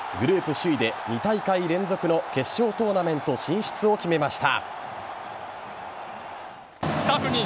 首位で２大会連続の決勝トーナメント進出を決めました。